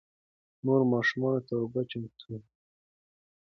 مور ماشومانو ته اوبه جوشوي.